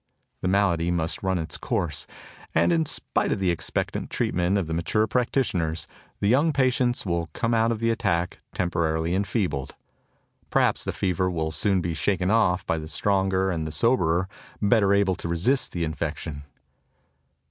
The malady must run its course; and in spite of the expectant treatment of the mature practitioners the young patients will come out of the attack temporarily enfeebled. Perhaps the fever will 18 THE TOCSIN OF REVOLT soon be shaken off by the stronger and the soberer, better able to resist the infection.